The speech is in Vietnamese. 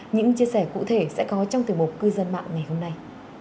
những chia sẻ cụ thể sẽ có trong tiểu mục cư dân mạng ngày hôm nay